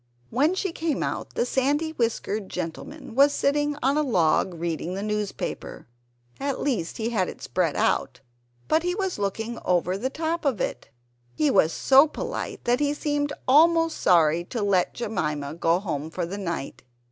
When she came out, the sandy whiskered gentleman was sitting on a log reading the newspaper at least he had it spread out, but he was looking over the top of it. He was so polite that he seemed almost sorry to let Jemima go home for the night.